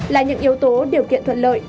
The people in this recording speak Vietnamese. là những yếu tố điều kiện thuận lợi